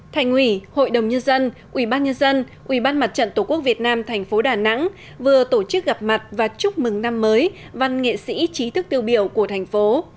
thành quỷ hội đồng nhân dân ủy ban nhân dân ủy ban mặt trận tổ quốc việt nam tp đà nẵng vừa tổ chức gặp mặt và chúc mừng năm mới văn nghệ sĩ trí thức tiêu biểu của thành phố